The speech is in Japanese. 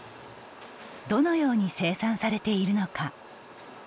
どのように生産されているのか。